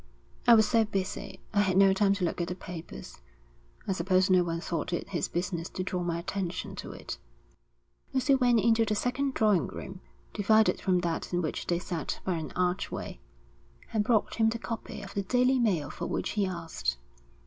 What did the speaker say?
'I was so busy, I had no time to look at the papers. I suppose no one thought it his business to draw my attention to it.' Lucy went into the second drawing room, divided from that in which they sat by an archway, and brought him the copy of the Daily Mail for which he asked.